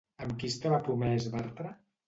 Amb qui estava promès Bartra?